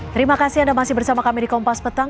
terima kasih anda masih bersama kami di kompas petang